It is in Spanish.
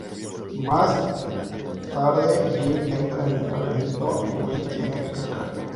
Más tarde, Jim entra en el laberinto y Will tiene que sacarlo.